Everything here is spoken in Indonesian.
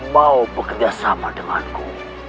mau bekerjasama denganku